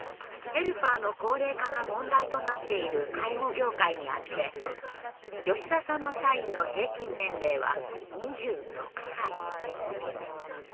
ヘルパーの高齢化が問題となっている介護業界にあって吉田さんの社員の平均年齢は２６歳。